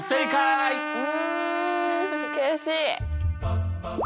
うん悔しい！